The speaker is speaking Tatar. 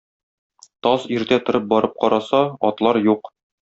Таз иртә торып барып караса, атлар юк.